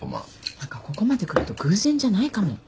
何かここまでくると偶然じゃないかも。